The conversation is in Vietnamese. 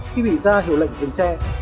khi bị ra hiểu lệnh dừng xe